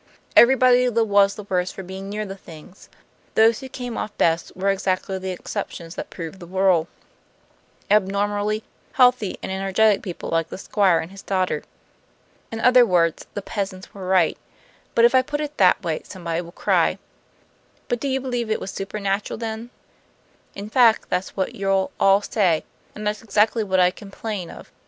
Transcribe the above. Everybody was the worse for being near the things; those who came off best were exactly the exceptions that proved the rule, abnormally healthy and energetic people like the Squire and his daughter. In other words, the peasants were right. But if I put it that way, somebody will cry: 'But do you believe it was supernatural then?' In fact, that's what you'll all say; and that's exactly what I complain of.